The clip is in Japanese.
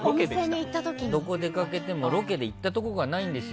どこでかけてもロケで行ったところがないんですよ。